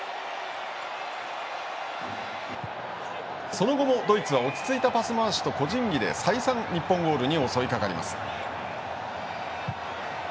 その後もドイツは落ち着いたパス回しと個人技で、再三日本ゴールに襲い掛かります。